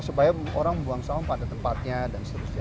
supaya orang membuang sampah pada tempatnya dan seterusnya